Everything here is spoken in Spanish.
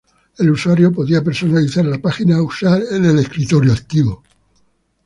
El usuario podía personalizar la página a usar en el escritorio activo.